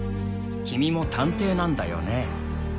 君も探偵なんだよね？